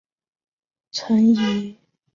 臣疑其故。